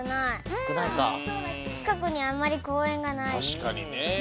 たしかにね。